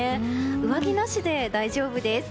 上着なしで大丈夫です。